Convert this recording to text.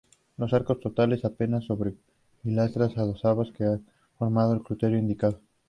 Los arcos torales apean sobre pilastras adosadas, que dan forma al crucero indicado.